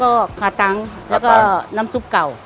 ก็คาตังค์แล้วก็น้ำซุปเก่า